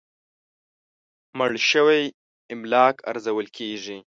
مړ شوي املاک ارزول کېږي.